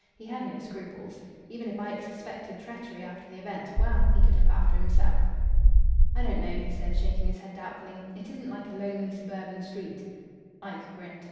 He had no scruples. Even if Ike suspected treachery after the event well, he could look after himself. "I don't know," he said, shaking his head doubtfully. "It isn't like a lonely suburban street." Ike grinned.